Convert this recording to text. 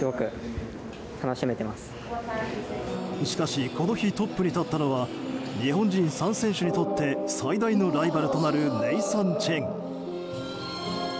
しかしこの日トップに立ったのは日本人３選手にとって最大のライバルとなるネイサン・チェン。